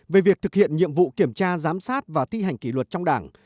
về việc thực hiện nhiệm vụ kiểm tra giám sát và thi hành kỷ luật trong đảng